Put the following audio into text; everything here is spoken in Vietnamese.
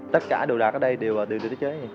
tất cả đồ đạc ở đây đều được tái chế